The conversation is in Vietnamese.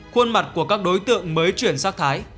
khuôn mặt của các đối tượng mới chuyển sang thái